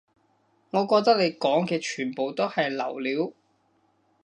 我覺得你講嘅全部都係流料